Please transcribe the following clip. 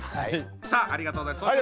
さあありがとうございました。